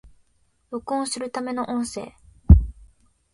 録音するための音声